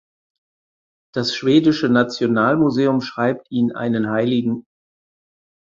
Das schwedische Nationalmuseum schreibt ihm einen hl.